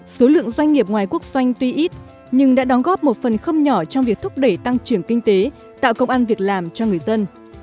số lượng doanh nghiệp ngoài quốc doanh tuy ít nhưng đã đóng góp một phần không nhỏ trong việc thúc đẩy tăng trưởng kinh tế tạo công an việc làm cho người dân